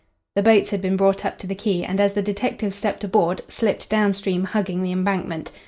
The boats had been brought up to the quay and, as the detectives stepped aboard, slipped downstream, hugging the Embankment.